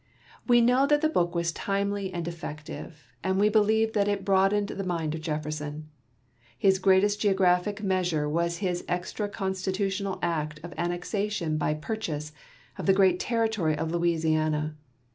We know that the book was timely and effective, and we believe that it broadened the mind of Jefferson. His greatest geographic iheasure was his extra constitutional act of annexation by purchase of the great territory of Louisiana.